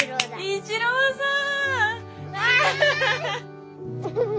一郎さん。